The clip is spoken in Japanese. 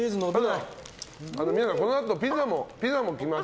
皆さん、このあとピザも来ます。